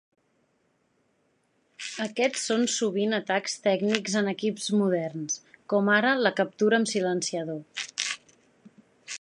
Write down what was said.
Aquests són sovint atacs tècnics en equips moderns, com ara la "captura amb silenciador".